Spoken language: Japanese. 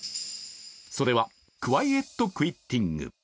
それはクワイエット・クイッティング。